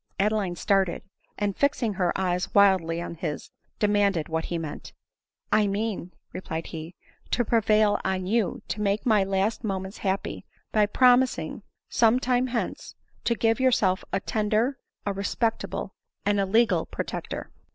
Adeline started, and fixing her eyes wildly on his, demanded what be meant. " I mean," replied he, " to prevail on you to make my last moments happy, by promising, some time hence, to give yourself a tender, a respectable, and a legal pro tector."